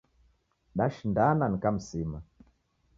Dashindana, nikamsima.